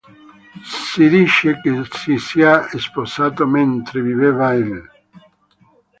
Si dice che si sia sposato mentre viveva lì.